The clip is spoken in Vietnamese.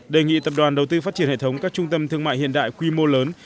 đề nghị tập đoàn đầu tư phát triển hệ thống các trung tâm thương mại hiện đại quy mô lớn